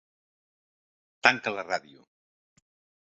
Tanca la ràdio.